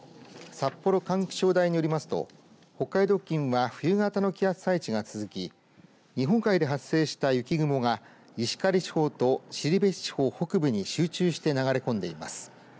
札幌管区気象台によりますと北海道付近は冬型の気圧配置が続き日本海で発生した雪雲が石狩地方と後志地方北部に集中して流れ込んでいます。